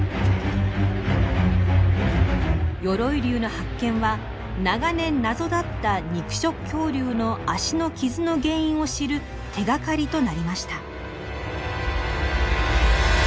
鎧竜の発見は長年謎だった肉食恐竜の脚の傷の原因を知る手がかりとなりました。